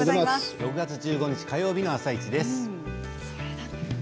６月１５日火曜日の「あさイチ」です。